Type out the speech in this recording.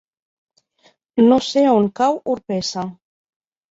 No sé on cau Orpesa.